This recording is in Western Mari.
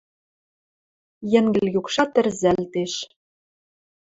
Йӹнгӹл юкшат ӹрзӓлтеш